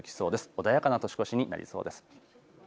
穏やかな年越しになりそうです。